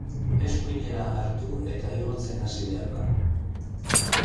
Eskuinera hartu eta igotzen hasi behar da.